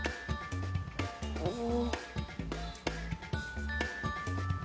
「おお！」